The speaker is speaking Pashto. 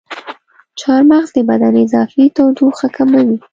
چارمغز د بدن اضافي تودوخه کموي.